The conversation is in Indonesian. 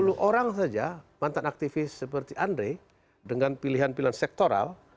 ada dua puluh orang saja mantan aktivis seperti andre dengan pilihan pilihan sektoral